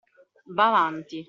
“Va’ avanti!